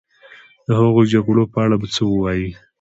د هغو جګړو په اړه به څه ووایې.